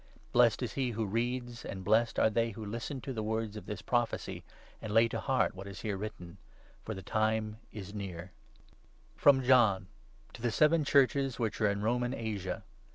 Blessed is he who reads, and blessed are they who listen to, the words of this prophecy, and lay to heart what is here written ; for The Time is near. I. — MESSAGES TO THE SEVEN CHURCHES. From John, to the seven Churches which are in Roman Asia.